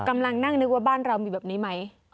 กำลังนั่งนึกว่าบ้านเรามีแบบนี้ไหม